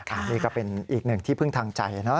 อันนี้ก็เป็นอีกหนึ่งที่พึ่งทางใจนะ